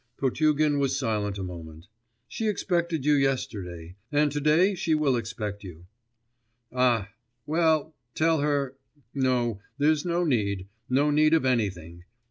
Potugin was silent a moment. 'She expected you yesterday ... and to day she will expect you.' 'Ah! Well, tell her.... No, there's no need, no need of anything.